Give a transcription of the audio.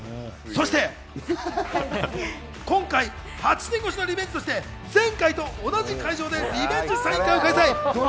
そして今回８年越しのリベンジとして、前回と同じ会場でリベンジサイン会を開催。